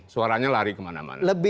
suaranya lari kemana mana